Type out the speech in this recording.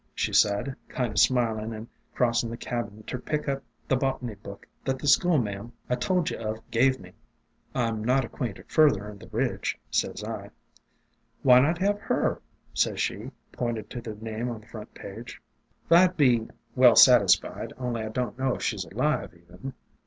she said, kind o' smilin' and crossin' the cabin ter pick up the botany book that the schoolma'am I told ye of gave me. ' 'I 'm not acquainted further 'n the Ridge,' sez I. 3l8 THE DRAPERY OF VINES " 'Why not have her?' sez she, pointin' to the name on the front page. " fl 'd be well satisfied, only I don't know if she 's alive, even.'